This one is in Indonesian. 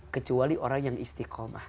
kecuali orang yang istiqomah